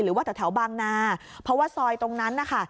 หรือว่าแถวบางนาเพราะว่าซอยตรงนั้นนะคะ